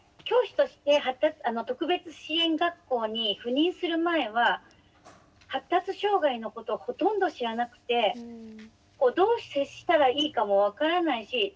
教師として特別支援学校に赴任する前は発達障害のことをほとんど知らなくてどう接したらいいかも分からないし。